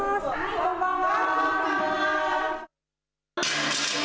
こんばんは。